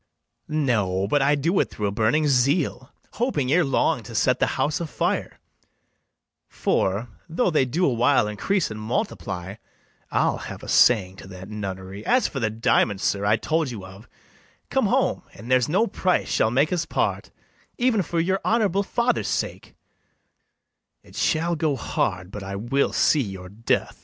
No, but I do it through a burning zeal, Hoping ere long to set the house a fire; For, though they do a while increase and multiply, I'll have a saying to that nunnery. [Aside.] As for the diamond, sir, I told you of, Come home, and there's no price shall make us part, Even for your honourable father's sake, It shall go hard but I will see your death.